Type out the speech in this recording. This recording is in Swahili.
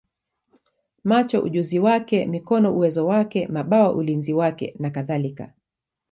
macho ujuzi wake, mikono uwezo wake, mabawa ulinzi wake, nakadhalika.